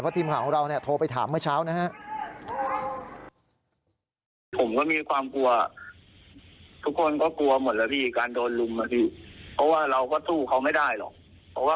เพราะทีมของเราโทรไปถามเมื่อเช้านะฮะ